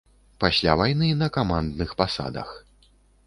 Пасля вайны на камандных пасадах.